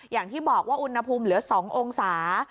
อย่างที่บอกว่าอุณหภูมิเหลือ๒องศา